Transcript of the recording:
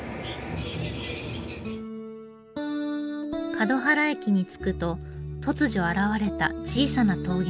勝原駅に着くと突如現れた小さな桃源郷。